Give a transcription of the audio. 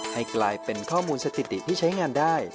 ให้กลายเป็นข้อมูลสถิติที่ใช้งานได้